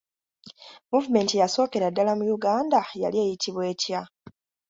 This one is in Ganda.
Muvumenti eyasookera ddala mu Uganda yali eyitibwa etya?